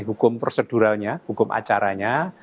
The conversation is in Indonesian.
hukum proseduralnya hukum acaranya